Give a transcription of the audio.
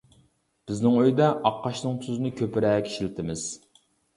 بىزنىڭ ئۆيدە ئاققاشنىڭ تۇزىنى كۆپرەك ئىشلىتىمىز.